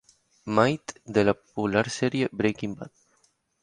Mitte de la popular serie Breaking Bad.